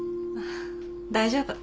大丈夫。